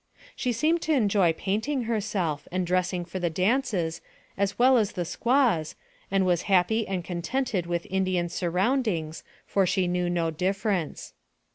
She seemed to enjoy painting herself, and dressing for the dances, as well as the squaws, and was happy and contented with Indian surroundings, for she knew no difference.